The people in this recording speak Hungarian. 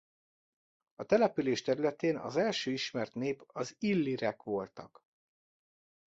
A település területén az első ismert nép az illírek voltak.